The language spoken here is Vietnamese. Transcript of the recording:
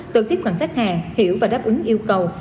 được tiếp cận khách hàng hiểu và đáp ứng yêu cầu